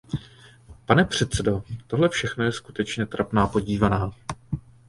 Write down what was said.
Pane předsedo, tohle všechno je skutečně trapná podívaná.